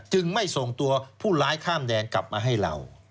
ไม่ส่งตัวผู้ร้ายข้ามแดนกลับมาให้เรา